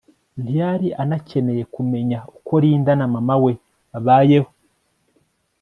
ntiyari anakeneye kumenya uko Linda na mama we babayeho